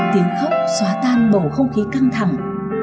tiếng khóc xóa tan bầu không khí căng thẳng